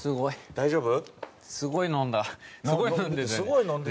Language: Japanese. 大丈夫。